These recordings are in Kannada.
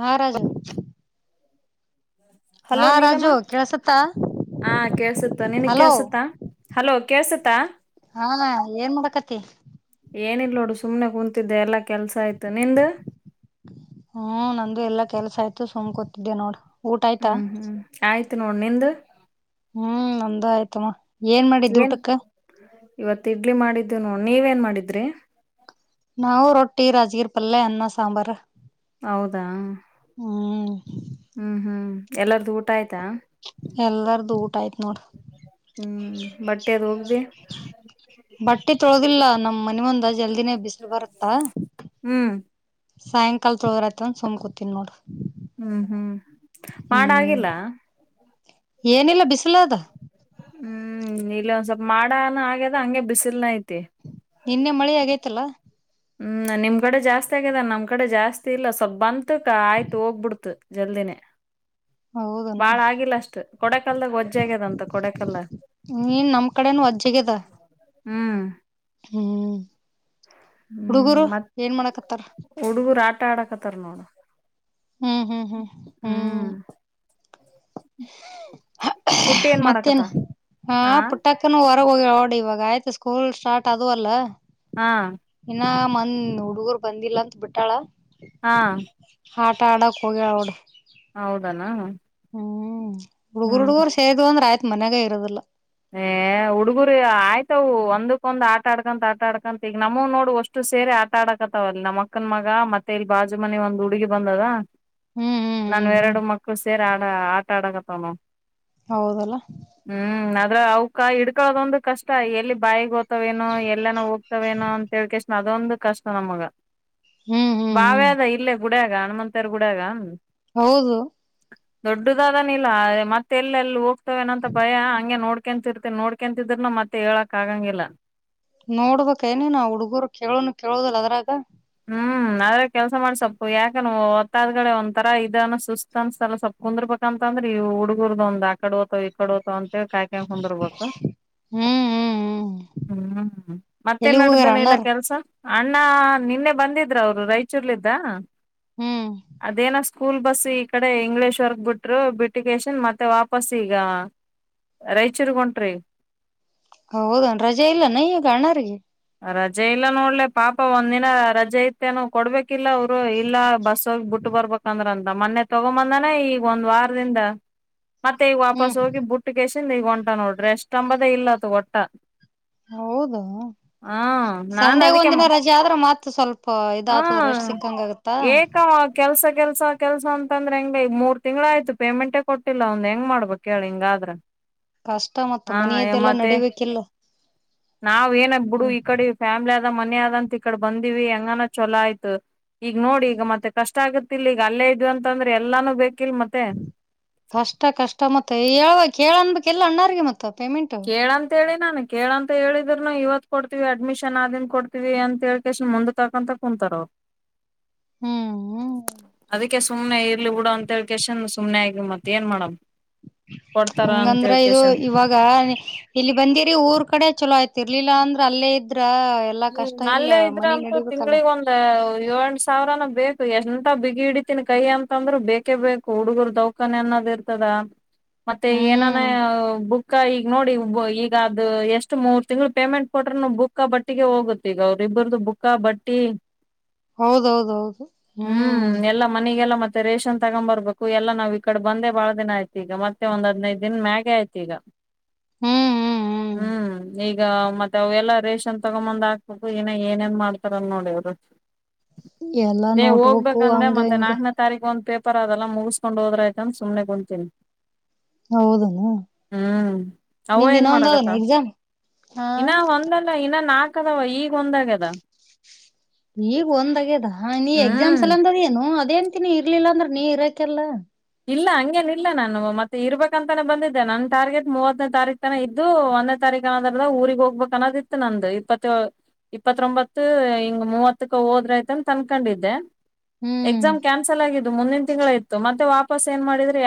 ಹ್ಮ್ ರಾಜು ಹಾ ಹಲೋ ನೀಲಮ್ಮ ರಾಜು ಕೇಳಸತ್ತ ಹ ಕೆಲ್ಸುತೆ ನನ್ಗೆ ಹಲೋ ಕೆಲ್ಸುತೆ ಹಲೋ ಕೆಳಸ್ತ? ಹಮಾ ಏನ್ಮಾಡಕೈತಿ [inaudible] ನಿಂದ ಹ್ಮ್ ನಂದು ಎಲ್ಲ ಕೆಲ್ಸ ಆಯ್ತು [unintelligible] ನೋಡು ಊಟ ಆಯ್ತಾ ಹ್ಮ್ ಹ್ಮ್ ಆಯ್ತು ನೋಡ ನಿಂದ ಹ್ಮ್ ನಂದು ಅಯ್ತು ತುಮ. ಏನ್ ಮಾಡಿದ್ದಿ ಊಟಕ್ಕೆ ಇವತ್ ಇಡ್ಲಿ ಮಾಡಿದ್ದೀವಿ ನಾವ್ ನೀವ್ ಏನ್ ಮಾಡಿದ್ರಿ [unintelligible] ಹೌದ ಹ್ಮ್ ಹ್ಮ್ ಹ್ಮ್ ಎಲ್ಲರದೂ ಊಟ ಆಯ್ತಾ ಎಲ್ಲರದೂ ಊಟ ಆಯ್ತು ನೋಡು ಹು ಬಟ್ಟೆ ಅದು ಹೊಗ್ದಿ ಮನೆಮುಂದ ಜಲ್ದಿನೆ ಬಿಸಲು ಬರುತ್ತಾ ಹ್ಮ್ ಸಾಯಂಕಾಲ ತೊಳ್ದ್ರೆ ಆಯ್ತು ಸುಮ್ನ ಕೂತಿನ್ ನೋಡು ಹು-ಹು ಮಾಡಗಿಲ್ಲಾ ಏನಿಲ್ಲ ಬಿಸ್ [unintelligible] ಹು ಇಲ್ಲಿ ಒಂದ್ ಸ್ವಲ್ಪ ಮಾಡಣ ಆಗದ ಅಂಗೆ ಬಿಸಿಲು ನು ಇ ನಿನ್ನೆ ಮಳಿ ಆಗಯ್ತಲ್ಲ ಹುಂ ನಿಮ್ಕಡೆ ಜಾಸ್ತಿ ಆಗದನ್ ನಮ್ ಕಡಿ ಜಾಸ್ತಿ ಇಲ್ಲ ಸ್ವಲ್ಪ ಬಂದ್ ತ್ ಆಯ್ತು ಹೋಗ್ಬಿಡ್ತು ಜಲ್ದಿನೆ ಹೌದನು ಬಾಳ ಆಗಿಲ್ಲ ಅಷ್ಟು ಕೊಡೇಕಲ್ಲದಾಗ ವಜ್ಜ ಆಗೇದಂತ ಕೊಡೇಕಲ್ದಾಗ್ ನೀನ್ ನಮ್ ಕಡೆನು [unintelligible] ಹುಂ ಹ್ಮ್ ಹುಡುಗುರು ಏನ್ ಮಾಡಕತರ ಟಡಕತ್ರ್ ನೋಡು ಹು-ಹು-ಹು-ಹೂ [unintelligible] ಮತ್ತೇನ್ ಮಾಡಾಕತ್ತ ಆ ಪುಟ್ಟಕನ್ [unintelligible] ಇವಾಗ್ ಸ್ಕೂಲ್ ಸ್ಟಾರ್ಟ್ ಅದು ಅಲ್ಲ ಹಾ ಇನ್ನಾ ಹು ಹುಡುಗುರ್ ಬಂದಿಲ್ಲ ಅಂತ ಬಿಟ್ಟಾಳ ಆ ಆಟ ಆಡಕ್ ಹೋಗ್ಯಾಲ್ ನೋಡು ಹೌದೇನು [unintelligible] ಹುಡುಗುರ್ ಹುಡುಗುರ್ ಸೇರಿವಂದ್ರೆ ಆಯ್ತ್ ಮನೆಗೆ ಇರೋದಿಲ್ಲ ಹೇ ಹುಡುಗುರ್ ಆ ಆಯ್ತ್ ಅವು ಒಂದ್ಕೊಂಡು ಆಟ ಅಡ್ಕಂತ ಆಟ ಅಡ್ಕಂತ ಈಗ ನಮ್ಮವ್ ನೋಡು ಒಷ್ಟು ಸೇರಿ ಆಟ ಅಡಕತವ ನಮ್ ಅಕ್ಕನ್ ಮಗ ಮತ್ತೆ ಇಲ್ಲಿ ಬಾಜು ಮನಿ ಒಂದ್ ಹುಡುಗಿ ಬಂದದ ಹ್ಮ್ ಹ್ಮ್ ಹ್ಮ್ ನನ್ನವ ಹ್ಮ್ ಎರಡು ಮಕ್ಳ ಸೇರಿ ಆ [unintelligible] ಆಟ ಅಡಕತವ್ ನೋಡ್ ಹೌದಲ ಅವುಕ ಇಡ್ಕೊಳದೊಂದ್ ಕಷ್ಟ ಎಲ್ಲಿ ಬಾಯಿ ಅದೊಂದ್ ಕಷ್ಟ ನಮ್ಗ ಹ್ಮ್ ಹ್ಮ್ ಹ್ಮ್ [unintelligible] ಗುಡಿಯಾಗ ಹನುಮಂತರ ಗುಡಿಯಾಗ ಹೌದು ದೊಡ್ದ್ [unintelligible] ಏನಂತ ಭಯ ಅಂಗೇ ನೋಡ್ಕೋ ನೋಡ್ಕೊಂತಿದ್ರು ಮತ್ತ್ ಹೇಳಕ್ ಆಗಂಗಿಲ್ಲ ನೋಡ್ಬೇಕ್ ಏನ್ ನಿನು ಆ ಹುಡ್ಗರ್ ಕೇಳುನ್ ಕೇಳುದಿಲ್ಲ ಅದ್ರೊಳ್ಗ ಮ್ಮ್ ನಾವೇ ಕೆಲಸ ಮಾಡಿ ಸಲ್ಪ್ ಯಕ್ನ ಓತಾದ್ ಕಡೆ ಒಂತರ ಇದ್ ಸುಸ್ತ ಅನ್ಸುತ್ಲ ಸೋಲ್ಪ್ ಕುಂದ್ರಬೇಕ್ ಅಂತ್ಅಂದ್ರ್ ಈ ಹುಡಗುರ್ದೊಂದ್ ಆಕಡ್ ಹೋತಾವ್ ಈಕಡ್ ಹೋತಾವ್ ಕಾಯ್ಕೊಂಡ್ ಕುಂದ್ರಬೇಕ್. ಹ್ಮ್ ಹ್ಮ್ ಹ್ಮ್ ಮ್ಮ್ ಮ್ಮ್ ಮತ್ತೆ ಎಲ್ಲಿಗ್ ಹೋಗ್ಯಾರ ಅಣ್ಣಾರ್ ಕೆಲಸ ಅಣ್ಣಾ ಬಂದಿದ್ರ್ ಅವ್ರು ರೈಚೂರ್ಲ್ಲಿದ ಹ್ಮ್ ಅದೇನೋ ಸ್ಕೂಲ್ ಬಸ್ ಈ ಕಡೆ ಇಂಗ್ಲಿಷ್ ಅವರ್ಗ್ ಬಿಟ್ರ್ ಬಿಟ್ಟನ್ ಅಷ್ಟ್ ಮಾತೆ ವಾಪಾಸ್ ಇಗ್ ರೈಚೂರ್ ಗ್ ಹೊಂಟ್ರಿ ಹೌದ್ ಏನ್ ರಜೆ ಇಲ್ಲ್ ಏನ್ ಅಣ್ಣಾರಿಗ್ ರಜೆ ಇಲ್ಲ ನೋಡ್ಲೆ ಪಾಪ ಒಂದ್ ದಿನ ರಜೆ ಇತ್ ಎನೋ ಕೊಡ್ಬೇಕಿಲ್ಲ ಅವ್ರು ಇಲ್ಲ ಬಸ್ ಹೋಗಿ ಬಿಟ್ಟ್ ಬರ್ಬೇಕಂತೆ ಮೊನ್ನೆ ತಗೋಬದೇನ್ ಒಂದ್ ವಾರ್ದಿಂದ ಮತ್ತೆ ಈಗ್ ಹ್ಮ್ ವಾಪಾಸ್ ಹೋಗಿ ಬುಟ್ಟಿ ಈಗ್ ಒಂಟ ನೋಡ್ ರೆಸ್ಟ್ ಅನ್ನೋದ್ ಇಲ್ಲ ಹೌದ್ ಹ ನಾನ್ ಸಂಡೆ ಒಂದ್ ಅದಕ್ಕೆ ದಿನ ರಜೆ ಅದ್ರ್ ಮತ್ ಸಲ್ಪ್ ಇದ್ ಆಥದ್ ಹ್ಮ ರೆಸ್ಟ್ ಸಿಕ್ಕಂಗ್ ಆಗುತ್ತಾ ಕೆಲಸ ಕೆಲಸ ಅಂತಾದ್ರ ಹೆಂಗ್ ಮೂರ್ ತಿಂಗಳ್ ಆಯ್ತ್ ಪೇಮೆಂಟ್ ಕೊಟ್ಟಿಲ್ಲ ಔನ್ದ್ ಎಂಗ್ ಮಾಡ್ಬೇಕ್ ಹೇಳ್ ಹಿಂಗಾದ್ರೆ ಕಷ್ಟ್ ಮತ್ ಮನೆಯದ್ ಎಲ್ಲ ನಡೀಬೇಕ್ ಈಕಡೆ ಮನೆ ಅದ್ ಅಂತ ಈ ಕಡೆ ಬಂದಿವಿ ಎಂಗಾನ ಚಲೋ ಆಯ್ತು ಈಗ್ ನೋಡ್ ಈಗ್ ಮತ್ತೆ ಕಷ್ಟ ಆಗುತೋ ಇಲ್ಲ ಕಷ್ಟ ಕಷ್ಟ ಮತ್ತೆ [unintelligible] ಕೇಳ್ ಅಂತ ನಾನ್ ಕೇಳ್ ಅಂತ್ ಹೇಳಿದ್ರು ನಾ ಈವತ್ ಕೊಡ್ತಿವಿ ಅಡ್ಮಿಶನ್ ಆದ್ಮೇಲ್ ಕೊಡ್ತಿವಿ ಅಂತ್ ಮುಂದ್ ತಕಂತ ಕುತ್ತಾರ್ ಹ್ಮ್ ಅದಿಕೆ ಸುಮ್ನೆ ಹೋಗ್ಲಿ ಬಿಡು ಅಂತ ಸುಮ್ನೆ ಆಗಿವೆ ಮಾತೆ ಏನ್ ಮಾಡಣ ಅಂಗಂದ್ರೆ ಇವಾಗ ಇಲ್ಲಿಗ್ ಬಂದಿದ್ದೆ ಊರ್ ಕಡೆಯಲ್ಲ ಚೆನ್ನಾಗಿದ್ದಾರೆ ಹ್ಮ್ಮ್ ಅಲ್ಲೇ ಇದ್ರತು ನಡಿಬೇಕಲ್ಲ ತಿಂಗಳಿಗೆ ಒಂದೇ ಯೋಳ್ ಸಾವಿರ. ಬೇಕು ಎಂತ ಬಿಗಿಎಡಿತೀನಿ ಕೈ ಅಂತಂದ್ರ ಬೇಕೇ ಬೇಕು ಹುಡುಗರ್ ಧವಕನ್ ಆನೊಂದು ಇರ್ತದ. ಮತ್ತೆ ಏನನಾ ಹ್ಮ್ ಅ ಬುಕ್. ಮೂರ್ ತಿಂಗಳು ಪೇಮೆಂಟ್ ಕೊಟ್ರೆ ಟಿಗೆ ಹೋಗುತಿಗ ಅವರಿಬ್ರಗೂ ಬುಕ್ಕಾ ಬಟ್ಟೆ. ಹೌದ್ ಹೌದ್ ಹೌದು ಹ್ಮ್ಮ್. ಎಲ್ಲಾ ಮನಿಗೆಲ್ಲಾ ಮತ್ತೆ ರೇಷನ್ ತಗಂಬರಬೇಕು ಯಲ್ಲ ನಾವಿಕಡೇ ಬಂದೆ ಬಾಲ ದಿನ ಆಯ್ತು ಈಗ ಮತ್ತೆ ಒಂದು ಹದಿನೈದು ದಿನ ಮೇಗೆ ಆಯ್ತ್ ಈಗ. ಹ್ಮ್ ಹ್ಮ್ ಹ್ಮ್ ಹ್ಮ್ಮ್ ಈಗ ಮತ್ತೆ ಅವೆಲ್ಲ ರೇಷನ್. ತಗೋ ಬಂದ್ ಹಾಕಬೇಕು ಇನ್ನು ಏನೇನ್ ಮಾಡ್ತಾರೆ ನೋಡಿ ಇವ್ರು. ಎಲ್ಲಾ ಹೇ ನೋಟ್ಬುಕ್ ಹೋಗಬೇಕ್ ಅಂದೇ ಹಂಗ ಮತ್ತೆ ಹಿಂಗ ನಾಲ್ಕನೇ ತಾರೀಕು ಒಂದ್ ಫೆ. ಮುಗಿಸಿಕೊಂಡ ಕೊಂಡ ಹೋದ್ರೆ ಆಯ್ತ್ ಅಂತ ಸುಮ್ಮನೇ ಕುಂತೀನಿ. ಹೌದಾ ಹ್ಮ್ ಅವ ನಿಂದ್ ಏನ್ ಏನೊಂದು ಮಾಡಕತ್ತ ಎಕ್ಸಾಮ್ ಹಾ. ನಾಕದವ ಈಗ ಒಂದಾಗದ. ಈಗ ವಂದ್ಯ ಗದ ಇನ್ನ ಎಕ್ಸಾಮ್ ಹ್ಮ್ ಯಂತಕ ನೀನ್ ಇರಾಕಿಲ್ಲ ಇಲ್ಲ ಹಂಗೇನಿಲ್ಲ ನಾನು ಇರಬೇಕು ಅಂತಾನೆ ಬಂದಿದ್ದು ನನ್ನ ಟಾರ್ಗೆಟ್ ಮೂವತ್ತನೆ ತಾರೀಕು ತನಕ ಇದ್ದು ಒಂದನೇ ತಾರೀಕು ಊರಿಗೆ ಆಗಬೇಕು ಅಂತ ಇತ್ತು ನಂದು ಇಪತ್ ಒಬಂತು ಮೂವತಕ್ಕೆ ಹೋಗಬೇಕು ಅಂಥ ಅನ್ಕೊಂಡಿದ್ದೆ ಹ್ಮ್ ಎಕ್ಸಾಮ್ ಕ್ಯಾನ್ಸಲ್ ಆಗಿದೆ. ಮುಂದಿನ್ ತಿಂಗಳ ಇತ್ತು ಮತ್ತೆ ವ.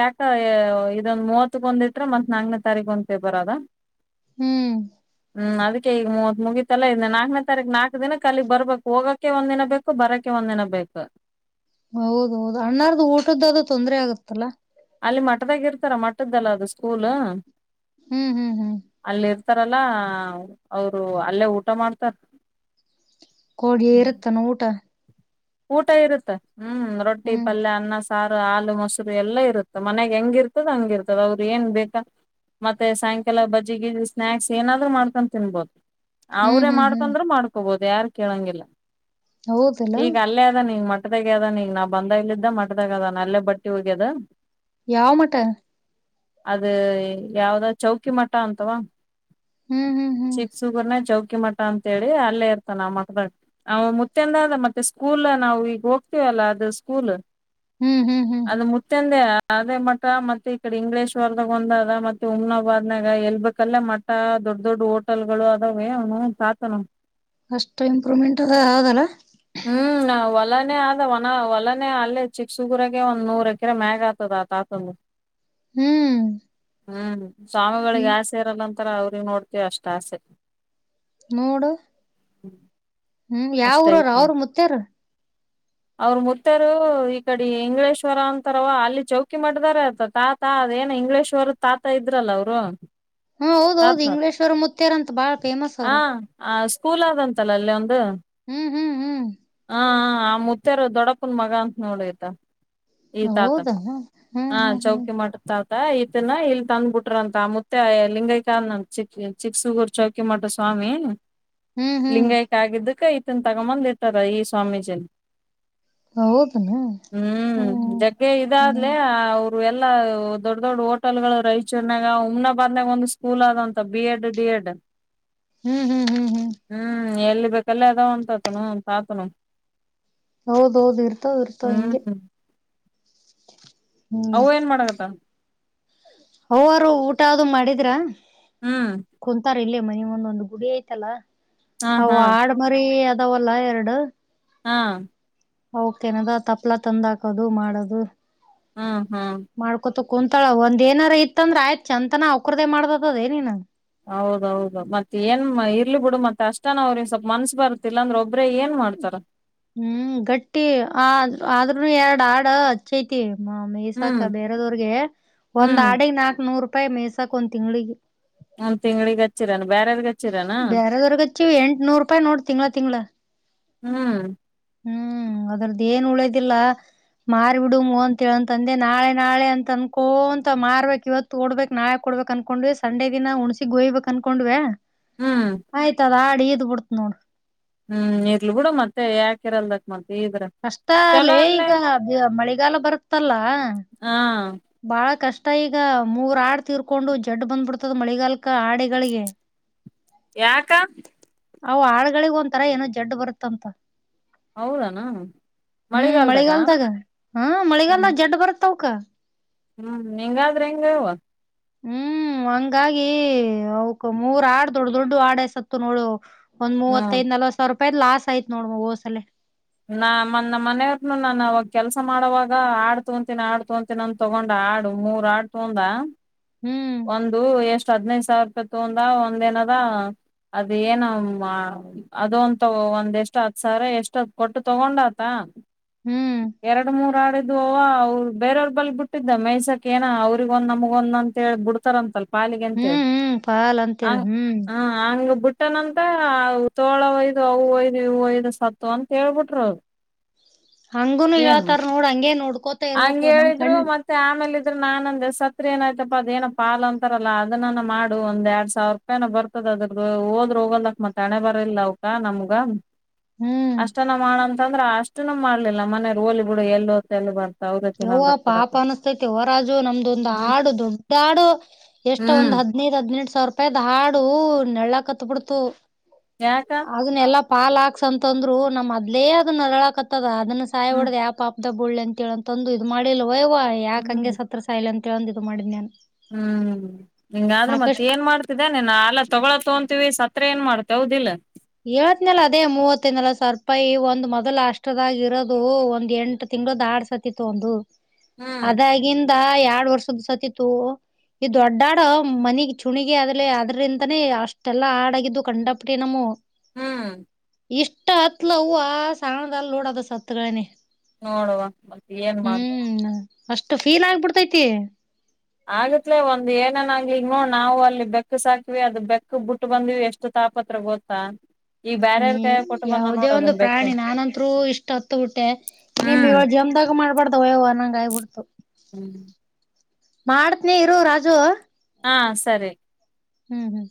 ಯಾಕ ಎ ಇದೊಂದು ಮೂವತ್ತಕ್ಕ ಒಂದ್ ಇಟ್ರೆ ಮತ್ ನಕ್ನೆ ತಾರೀಕು ಒಂದ್ ಪೆಪ್ಪರ್ ಅದ. ಹ್ಮ್ಮ್ ಹ್ಮ್ಮ್ ಅದಿಕ್ಕೆ ಈಗ್ ಮೂವತ್ತು ಮುಗಿತಲ್ಲ ಇನ್ನ ನಕ್ನೆ ತಾರಿಕ್ ನಾಕ್ ದಿನುಕ್ ಅಲ್ಲಿಗೆ ಬರ್ಬೇಕು ಹೋಗಕ್ಕೆ ಒಂದು ದಿನ ಬೇಕು ಬರಕ್ಕೆ ಒಂದ್ ದಿನ ಬೇಕ್. ಹೌದು ಹೌದು ಅಣ್ಣಾರದ್ದು ಊಟು ಅದ್ದು ತೊಂದ್ರೆ ಆಗುತಲ್ಲ. ಅಲ್ ಮಠದಾಗೆ ಇರ್ತಾರೆ ಮಟ್ಟದಲ್ಲಾ ಅದ್ ಸ್ಕೂಲ್. ಹ್ಮ್ಮ್ ಹ್ಮ್ಮ್ ಹ್ಮ್ಮ್. ತರಲ್ಲ ಅವ್ರು ಅಲ್ಲಿ ಊಟ ಮಾಡ್ತಾರೆ. ಇರುತ್ತೇನೆ ಊಟ ಊಟ ಇರುತ್ತೆ. ಹ್ಮ್ಮ್ ರೊಟ್ಟಿ ಹ್ಮ್ ಪಲ್ಯ ಅನ್ನ ಸ್. ಸಾರು ಹಾಲು ಮೊಸರು ಎಲ್ಲ ಇರುತ್ತೇ ಮನೆಗೆ ಯಂಗ್ ಇರುತ್ತೇ ಅಂಗೇ ಇರ್ತದ ಅವ್ರ್ ಏನ್ ಬೇಕಾ. ಮತ್ತೆ ಸಾಯಂಕಾಲ ಬಜ್ಜಿ ಸ್ನೆಕ್ಸ್ ಏನ್ ಆದ್ರು ಮಾಡ್ಕೊಂಡ್ ತಿಂಬಾವಿದ್ದು. ಹ್ಮ್ ಅವ್ರೆ ಹ್ಮ್ ಹ್ಮ್ ಮಾಡ್ಕೊಂಡ್ರು ಮಾಡ್ಕೋಬಹುದು. ಯಾರ್ ಕೇಳಂಗಿಲ್ಲ. ಹೌದ್. ಇವಾಗ ಅಲ್ಲೇ ಇದ್ದರೆ ನಾನು ಬಂದಾಗಿಂದ ಮಠದಲ್ಲಿ ಇದ್ದಾನೆ ಯಾವ ಮಠ. ಅದು ಯಾವ್ದೋ ಚೌಕಿ ಮಠ ಹ್ಮ್ ಹ್ಮ್ ಹ್ಮ್ ಚಿಪ್ಸ್ ಬನ್ನು ಕೆ ಮಠ ಅಂತೇಳಿ ಅಲ್ಲೇ ಇರ್ತಾನ ಮಠದಾಗ ಅವ್ ಮುತ್ಯಂದ ಆದ [unintelligible] ಸ್ಕೂಲನ ನಾವು ಈಗ ಹೋಗ್ತೀವಲ್ಲ ಅದು ಸ್ಕೂಲ್ ಹ್ಮ್ ಹ್ಮ್ ಹ್ಮ್ ಹ್ಮ್ ಅದು ಮುತ್ಯಂದೆ ಅಅ ಅದೇ ಮಠಾ ಮತ್ತೆ ಈ ಕಡೆ ಇಂಗಳೇಶ್ವರದಾಗ ವಂದದ ಮತ ಹುಮ್ನಾಬಾದಾಗ ಎಲ್ ಬೇಕಾದಲ್ಲಿ ಮಠದ ದೊಡ್ಡ ದೊಡ್ಡು ಹೋಟೆಲ್ ಗಳು ಅದಾವೇ ಅವನು ತಾತನು ಅಷ್ಟು ಇಂಪ್ರೂವ್ಮೆಂಟ್ ಅದು ಆಧಲ್ಲ ಹೂ ಹೊಲಾನೆ ಆದ ಒಣಾ ಹೊಲಾನೆ ಅಲ್ಲೇ ಚಿಕ್ಕ ಸೂರಾಗೆನೇ ಒಂದು ನೂರು ಎಕ್ರೆ ಮ್ಯಾಗ ಆಗತ್ತದ ಆ ತಾತದು ಹೂ ಹೂ ಸ್ವಾಮಿಗಳಿಗೆ ಆಸೆಇರಲೇನ್ [unintelligible] ತರ ಅವ್ರೆ ನೋಡ್ಕೆ ಎಷ್ಟ್ ಆಸೆ ನೋಡು ಹ್ಮ್ ಹುಂ ಯಾವುರೋರ್ ಅವ್ರು ಮುತ್ಯಾರ್ ಅವ್ರ್ ಮುತ್ಯಾರು ಇಕಾಡಿ ಇಂಗಳೇಶ್ವರ ಅಂತಾರವಾ ಅಲ್ಲಿ ಚೌಕಿಮಠದಾರ ತಾತ ಅದೇನ್ ಇಂಗಳೇಶ್ವರದ್ ತಾತ ಇದ್ರಲ್ಲ ಅವ್ರು ಹೂಂ ಹೌದು ಹೌದ ಇಂಗ್ಲೀಶ್ವರ ಮುತ್ಯಾರ ಅಂತ ಅವ್ರ್ ಬಾಳ್ ಫೇಮಸ್ ಆ ಅವ್ರು ಆ ಸ್ಕೂಲ್ ಅದ ಅಂತಲ್ಲ ಅಲ್ಲೊಂದು ಹ್ಮು ಹ್ಮು ಹಾ ಹಾ ಮುತ್ಯಾರ ದೊಡ್ಡಪ್ಪನ ಮಗ ಅಂತ್ ನೋಡ ಈತ ಈ ತಾತ ಹೌದಾ ಹ್ಮ್ ಆಹ್ ಹ್ಮ್ ಹ್ಮ್ ಚೌಕಿಮಠದ್ ತಾತ ಅಅ ಈತನ ಇಲ್ಲಿ ತಂದ ಬಿಟ್ಟಾರಂತ ಆ ಮುತ್ಯಾ ಲಿಂಗೈಕ್ಯಾದ್ನಂತ ಚಿಕ್ಕ.. ಚಿಕ್ಕಸುಗುರ ಚೌಕಿ ಮಠದ ಸ್ವಾಮಿ ಹ್ಮ್ ಹ್ಮ್ ಲಿಂಗೈಕ್ ಆಗಿದ್ದಕ ಈ ಇವನ್ ತಗಮ್ ಬಂದ್ ಇಟ್ [unintelligible] [unintelligible] ಹೌದನ ಹ್ಮ್ ಹುಂ ಹ್ಮ್ ಜಗ್ಗೆ ಇದು ಆಗ್ಲೇ ಅವರ ಇವೆಲ್ಲ ಅ ದೊಡ್ಡ ದೊಡ್ಡ ಹೋಟೆಲ್ ಗಳು ರೈಚನ್ಯಾಗ ಹುಮ್ನಾಬಾದ್ ನ್ಯಾಗ್ ಒಂದು ಸ್ಕೂಲ್ ಅದ ಅಂತ ಬಿಎಡ್, ಡಿ ಎಡ ಹ್ಮ್ ಹ್ಮ್ ಹ್ಮ್ ಹೂ ಎಲ್ಲಿ ಬೇಕಲೇ ಅದಾವ್ ಅಂತ ಆತನು ತಾತನು ಹೌದ್ಹೌದ ಇರ್ತಾವ್ ಇರ್ತವ್ ಹಿಂಗೆ ಅವ್ವ ಏನ್ ಮಾಡಕತ್ತಾಳ? ಅವ್ವರ್ ಊಟ ಅದು ಮಾಡಿದ್ರ ಹ್ಮ್ ಕುಂತಾರ್ ಇಲ್ಲೆ ಮನಿ ಮುಂದ ಒಂದು ಗುಡಿ ಐತಲ್ಲಾ ಹಾ ಅವ ಹಾ ಆಡ ಮರಿ ಅದ ಅದಾವಲ್ಲ ಎರಡು ಹಾ ಔಕ್ ಏನದ ತಪಲ ತಂದ್ ಹಾಕುವುದು ಮಾಡೋದು ಹ ಮಾಡ್ಕೊತ್ ಕುಂತೋಳ್ ಒಂದೇನಾರ ಇತ ಅಂದ್ರ ಚತನ ಅವುಕರದೆ ಮಾಡ್ದ ಅದ ಏನ ಇನ ಹೌದು ಹೌದು ಮತ್ತೇನ್ ಮ್ ಏನ್ ಇರ್ಲಿ ಬಿಡು ಅಷ್ಟನ ಅವರಿಗೆ ಮನಸ್ಸು ಬರ್ತಿತ್ತ ಇಲ್ಲ ಅಂದ್ರೆ ಒಬ್ರೇ ಏನ್ ಮಾಡ್ತಾರ. ಹ್ಮ ಗಟ್ಟಿ ಆ ಆದ್ರುನು ಎರಡ್ ಆಡ ಹಚೈತಿ. ಮಾ ಹ್ಮ್ ಮೈಸಾಕಾ ಬೆರೆದವರಿಗೆ ಒಂದು ಹ್ಮ್ ಆಡಿಗ್ ನಾಕ ನೂರು. ಪೈ ಮೆಸಾಕ್ ಒಂದ್ ತಿಂಗ್ಳಿಗೆ ಒಂದ್ ತಿಂಗ್ಳಿಗೆ ಹಚ್ಚಿರೆನ್ ಬ್ಯಾರದವರಿಗೆ ಹಚ್ಚಿವಿ ಎಂಟನೂರರುಪಾಯಿ ನೋಡ ತಿಂಗಳ ತಿಂಗಳ ಹ್ಮ್ ಹ್ಮ ಅದರದೇನು ಉಳಿಯಂಗಿಲ್ಲ ಮಾರ್ಬೇಡಮ್ಮ ಅಂತ ಹೇಳಂದಿನಿ ನಾಳೆ ನಾಳೆ ಅಂತ ಅನ್ಕೊಂತ್ ಮಾರ್ಬೇಕು ಇವತ್ತು ಕೊಡಬೇಕು ನಾಳೆ ಕೊಡಬೇಕು ಅಂತ ಅನ್ಕೊಂತ ಸಂಡೆ ದಿನ ಹುಣಸಿ ವೈ ಬೇಕ ಅನ್ಕೊಂಡಿವ್ಯ ಹ್ಮ್ ಆಯ್ತಾಳ್ ಆಡ್ ತೀದ್ ಬುಡ್ತ್ ನೋಡು. ಹ್ಮ ಇರ್ಲಿ ಬಿಡು ಮತ್ತ ಯಾಕಿರಲ್ದಕ್ ಇದ್ರ ಅಷ್ಟ ಲೆ ಚಲೋ ಅಲ್ಲೇ ಈಗ ಮಳೆಗಾಲ ಬರುತ್ತಲ್ಲ ಹಾ ಬಾಳ್ ಕಷ್ ತೈಗ ಈಗ ಮುರಾಡ್ ತೀರಿಕೊಂಡು ಝೆಡ್ ಬಂದ್ಬಿಡ್ತು ಮಳೆಗಾಲಕ್ ಕ ಆಡಗಳಿಗೆ ಯಾಕ ಅವು ಹಾಡುಗಳಿಗೇನೋ ಒಂತರ ಜೆಡ್ ಬರತಂತ. ಹೌರಾ ಹ್ಮ ಮಳೆಗಾಲದಾಗ ಹ ಹ್ಮ್ ಮಳೆಗಾಲದಾಗ ಜಡ್ ಬರ್ತಾವ ಔಕ ಹ್ಮ್ ಹಿಂಗಾದ್ರೆ ಹೆಂಗವ್ವ ಹ್ಮ ಹಂಗಾಗಿ ಅವುಕ್ ಮೂರ ಆಡ್ ದೊಡ್ಡ ದೊಡ್ಡ ಆಡೆ ಸತ್ತು ನೋಡು. ಒಂದ್ ಹ್ಮ್ ಮೂವತ್ತೈದು ನಲವತ ಸಾವಿರೂ ವ್ಯರ್ ಲಾಸ್ ಆಯ್ತ್ ನೋಡ್ ಹೋದ್ಸಲಿ. ನಾ ಮನ್ ನಮನೆ ಅವ್ರ್ನು ನಾನ‌ ಅವಾಗ ಕೆಲಸ ಮಾಡುವಾಗ ಆಡ್ ತಗೊಂತಿ ಆಡ್ ತಗೊಂತಿನಿ ಅಂತ ತೊಗೊಂಡ ಆಡು ಮೂರ ಆಡ್ ತಗೊಂಡ ಹ್ಮ್ ಒಂದು ಎಷ್ ಹದಿನೈದ್ ಸಾವಿರೂಪಾಯಿ ತಗೊಂಡ ಒಂದ ಅದೇನಾ ಅದು ಏನಾ ಅ ಅದು ಒಂದ್ ಒಂದೆಷ್ಟು ಹತಸಾವಿರ ಎಷ್ಟೋ ಕೊಟ್ಟ ತಗೊಂಡ ಆತ ಹ್ಮ್ ಎರಡು ಮೂರು ಆಡ ಇತ್ ಇದುವ ಅವ್ರ್ ಬೇರೆ ಬಲ್ ಬಿಟ್ಟಿದ್ದ ಮೈಸಾಕ್ ಅಂತ ಅವರಿಗೊಂದು ನಮಗೊಂದು ಏನು ಅಂತ ಬುಡ್ತಾರಂತಲ್ಲ ಪಾಲಿಗೆ ಅಂತ ಹೇಳಿ ಹ್ಮ್ ಹ್ಮ್ ಪಾಲ್ ಅಂತೇಳಿ ಹ್ಮ್ ಹ್ಮ ಹಂಗ ಬುಟ್ ಬಿಟ್ಟನಂತೆ ತೋಳವೈದ ಅವೈದ್ ಇವೈದು ಸತ್ವಂ ಹೇಳ್ಬಿಟ್ರೋರ್ ಹಂಗೂನು ಹೇಳತ್ತಾರೆ ನೋಡು ಹಾಗೆ ಹಂಗ ನೋಡ್ಕೋತಿರಬೇಕು ನಮ್ ಕಣ್ಣ್ ಸತ್ತ್ರಿ ಏನಾಯ್ತು ಅದೇನಪ್ಪ ಪಾಲ್ ಅಂತಾರಲ್ಲ ಅದನ್ನ ರೆ ಮಾಡ ಒಂದೆರಡು ಸಾವಿರ ರೂಪಾಯಿ ಅರೆ ಬರ್ತದದ ಅದರದ ಹೋದ್ರಹೋಗಲ್ಲ ಮತ್ ಹಣೆ ಬರ್ಲಿಲ್ಲ ಔಕಾ ನಮಗ ಹ್ಮ್ ಅಷ್ಟನ ಮಾಡನ್ ಅನ್ ತಂದ್ರೆ ಅಷ್ಟುನು ಮಾಡ್ಲಿಲ್ಲ ನಮ್ಮನೆಯವರು ಹೋಲಿ ಬಿಡ ಎಲ್ ಹೋತ್ತಲ್ ಎಲ್ ಬರುತ್ ಯವ ಪಾಪ ಅನುಸ್ತೈತೆ ಯವ ರಾಜು ನಮ್ದ್ ಒಂದ್ ಹ್ಮ್ ಆಡು ದೊಡ್ಡ ಆಡು ಎಷ್ಟು ಹ್ಮ್ ಒಂದು ಹದಿನೈದು ಹದಿನೆಂಟು ಸಾವರ್.. [inaudible] [inaudible] ಯಾಕ ಹ್ಮ್ [unintelligible] [inaudible] [inaudible] [inaudible] ಹ್ಮ್ [unintelligible] [inaudible] ಆಕಾಶ್ [unintelligible] [inaudible] [unintelligible] ಹ್ಮ್ [inaudible] [unintelligible] [inaudible] [unintelligible] ಹ್ಮ್ [unintelligible] [inaudible] [unintelligible] ಬ್ಯಾರ್ಯಾರ್ ಕೈಯಾಗ ಕೊಟ್ಟು ಬಂದ ಯಾವುದೇ ನೋಡ ಒಂದು ಅದನ್ ಪ್ರಾಣಿ ಬೆಕ್ಕಿನ್ ನಾನಂತ್ರು ಇಷ್ಟತ್ತು ಹ್ಮ್ [unintelligible] ಜನುಮ್ದಾಗ್ ಮಾಡ್ಬಾರ್ದು ಯವ್ವ ಅನ್ನಂಗಾಗ್ಬಿಡ್ತು. [inaudible] [inaudible] ಮಾಡ್ತಿನಿ ಇರು ರಾಜು. ಅ ಸರಿ. ಹು.